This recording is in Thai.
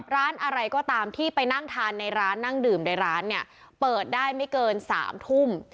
ร้านอะไรก็ตามที่ไปนั่งทานในร้านนั่งดื่มในร้านเนี่ยเปิดได้ไม่เกิน๓ทุ่ม